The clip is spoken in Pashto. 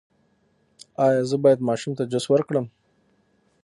ایا زه باید ماشوم ته جوس ورکړم؟